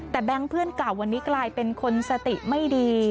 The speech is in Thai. แต่แบงค์เพื่อนเก่าวันนี้กลายเป็นคนสติไม่ดี